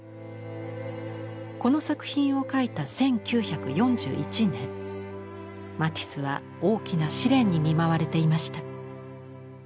この作品を描いた１９４１年マティスは大きな試練に見舞われていました。